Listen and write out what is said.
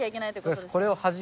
これを。